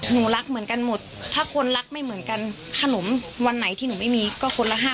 หนูสองคนอดให้ลูกร้านกิน